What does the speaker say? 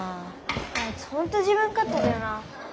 あいつほんと自分かってだよな。